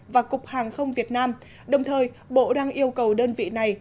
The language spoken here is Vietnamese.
và cục hàng không việt nam đồng thời bộ đang yêu cầu đơn vị này